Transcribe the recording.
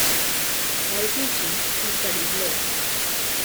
While teaching he studied law.